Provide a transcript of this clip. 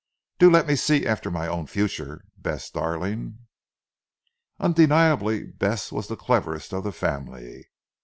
"Do let me see after my own future, Bess darling." Undeniably Bess was the cleverest of the family.